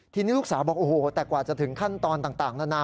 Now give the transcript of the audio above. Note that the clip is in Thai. ทีนี้ลูกสาวบอกโอ้โหแต่กว่าจะถึงขั้นตอนต่างนานา